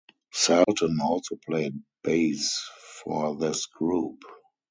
Salton also played bass for this group.